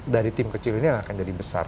dari tim kecil ini yang akan jadi besar